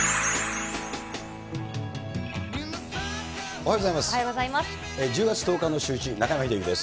おはようございます。